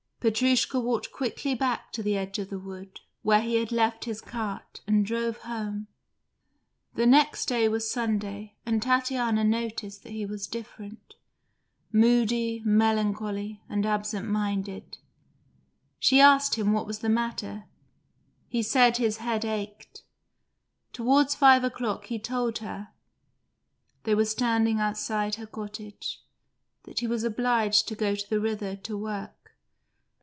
Petrushka walked quickly back to the edge of the wood, where he had left his cart, and drove home. The next day was Sunday, and Tatiana noticed that he was different moody, melancholy, and absent minded. She asked him what was the matter; he said his head ached. Towards five o'clock he told her they were standing outside her cottage that he was obliged to go to the river to work.